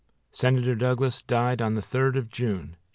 Senator Douglas died on the 3d of June, 1861.